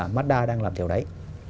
mazda đang làm điều đấy